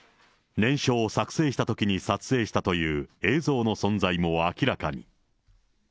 念書を作成したときに撮影したという映像の存在も明らかに。